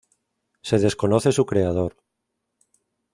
Se desconoce su creador.